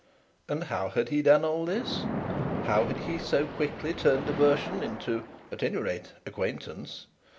And how had he done all this? How had he so quickly turned aversion into, at any rate, acquaintance?